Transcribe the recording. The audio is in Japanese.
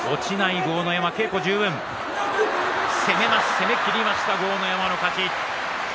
攻めきりました豪ノ山の勝ち。